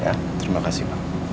ya terima kasih pak